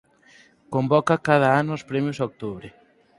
Convoca cada ano os Premios Octubre.